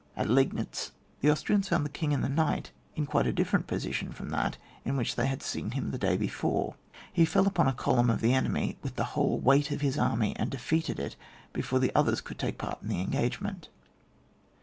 At Leignitz, the Austrians found the King in the night in quite a different position from that in which they had seen him the day before ; he fell upon a column of the enemy with the whole weight of his army, and defeated it be fore the others could take part in the engagement.